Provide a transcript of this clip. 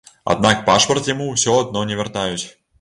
Аднак пашпарт яму ўсё адно не вяртаюць.